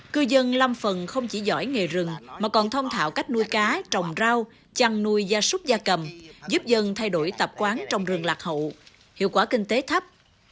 cư dân lâm phần không chỉ giỏi nghề rừng mà còn thông thạo cách nuôi cá trồng rau chăn nuôi gia súc gia cầm giúp dân thay đổi tập quán trong rừng lạc hậu hiệu quả kinh tế thấp